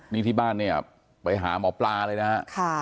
นี่ที่บ้านเนี่ยไปหาหมอปลาเลยนะฮะ